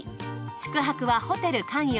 宿泊はホテル観洋。